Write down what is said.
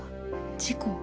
事故？